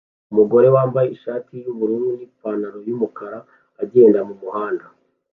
Umugore wambaye ishati yubururu nipantaro yumukara agenda mumuhanda